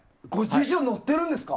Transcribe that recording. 辞書に載ってるんですか？